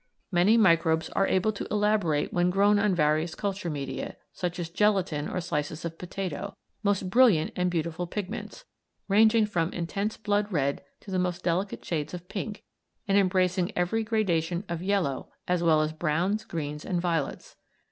Many microbes are able to elaborate when grown on various culture media, such as gelatine or slices of potato, most brilliant and beautiful pigments ranging from intense blood red to the most delicate shades of pink, and embracing every gradation of yellow, as well as browns, greens, and violets.